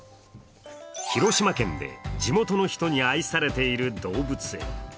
広島県で地元の人に愛されている動物園。